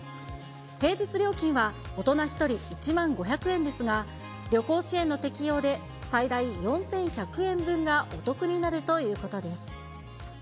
平日料金は大人１人１万５００円ですが、旅行支援の適用で、最大４１００円分がお得になるということです。